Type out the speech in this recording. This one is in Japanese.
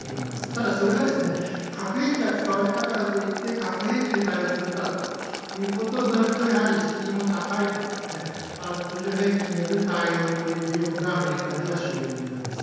ただ、それが、核兵器が使われたからといって、核兵器で対応するかということになると、やはり敷居も高いんで、通常兵器による対応という議論がアメリカでは主流のようです。